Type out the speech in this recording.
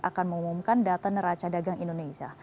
akan mengumumkan data neraca dagang indonesia